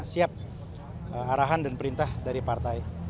siap arahan dan perintah dari partai